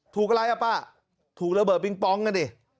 อะไรอ่ะป้าถูกระเบิดปิงปองกันดิ